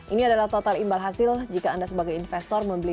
ini adalah total imbal hasil jika anda sebagai investor membeli